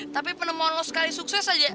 tapi penemuan lo sekali sukses aja